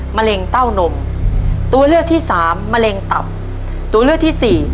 มะเร็งเต้านมตัวเลือกที่สามมะเร็งตับตัวเลือกที่สี่